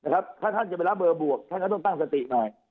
ถ้าท่านจะไปรับเบอร์บวกท่านก็ต้องตั้งสติหน่อย